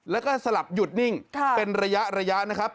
แล้วก็สลับหยุดนิ่งเป็นระยะนะครับ